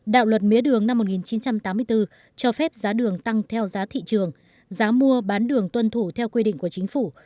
đạo luật mía đường năm một nghìn chín trăm tám mươi bốn cho phép giá đường tăng theo giá thị trường giá mua bán đường tuân thủ theo quy định của chính phủ